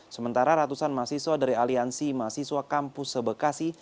sementara ratusan mahasiswa dari aliansi mahasiswa kampus sebekasi